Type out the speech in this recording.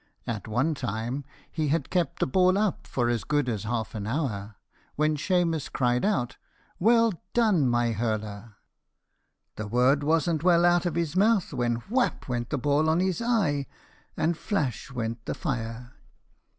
At one time he had kept the ball up for as good as half an hour, when Shemus cried out, 'Well done, my hurler!' The word wasn't well out of his mouth when whap went the ball on his eye, and flash went the fire.